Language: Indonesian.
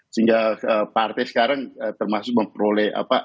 sehingga partai sekarang termasuk memperoleh